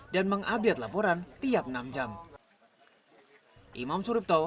dan mengabiat laporan tiap enam jam